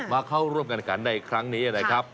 เข้าร่วมกันขันในครั้งนี้นะครับ